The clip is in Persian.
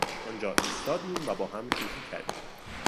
آنجا ایستادیم و با هم شوخی کردیم.